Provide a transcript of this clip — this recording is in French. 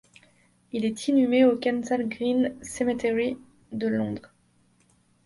Il est inhumé au Kensal Green Cemetery de Londres.